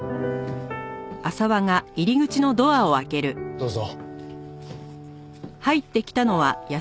どうぞ。